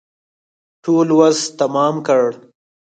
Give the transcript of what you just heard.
ټول وس تمام کړ.